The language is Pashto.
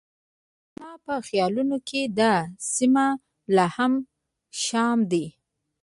زما په خیالونو کې دا سیمه لا هم شام دی.